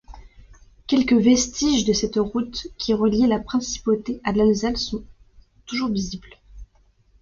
Quelques vestiges de cette route qui reliait la principauté à l'Alsace sont toujours visibles.